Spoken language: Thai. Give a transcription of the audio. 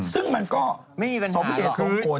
ซึ่งมันก็สมเหตุสมผล